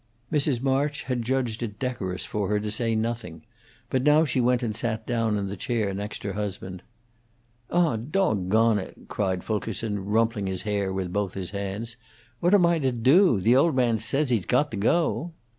Mrs. March had judged it decorous for her to say nothing, but she now went and sat down in the chair next her husband. "Ah, dog on it!" cried Fulkerson, rumpling his hair with both his hands. "What am I to do? The old man says he's got to go."